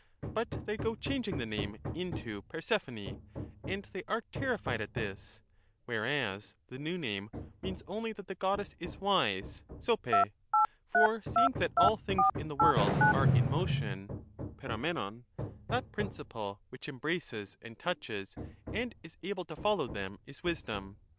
But they go changing the name into Phersephone, and they are terrified at this ; whereas the new name means only that the Goddess is wise {oo^r}) ; for seeing that all things in the world are in motion {(pepofih'ur), that principle which embraces and touches and is able to follow them, is wisdom.